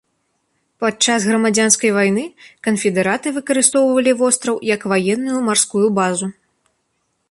Падчас грамадзянскай вайны канфедэраты выкарыстоўвалі востраў як ваенную марскую базу.